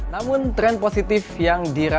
namun tren positif yang diperlukan